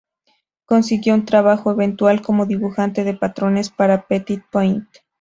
Consiguió un trabajo eventual como dibujante de patrones para "petit-point".